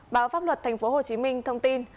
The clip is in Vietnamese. báo pháp luật tp hcm thông tin